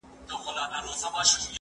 دا خبري له هغو روښانه دي.